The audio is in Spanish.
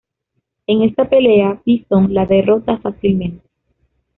En esta pelea, Bison la derrota fácilmente.